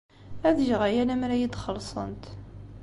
Ad geɣ aya lemmer ad iyi-d-xellṣent.